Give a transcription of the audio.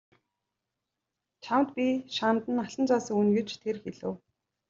Чамд би шанд нь алтан зоос өгнө гэж тэр хэлэв.